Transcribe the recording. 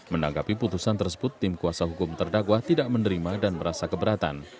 menanggapi putusan tersebut tim kuasa hukum terdakwa tidak menerima dan merasa keberatan